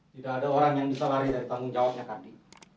tidak ada orang yang bisa lari dari tanggung jawabnya kaki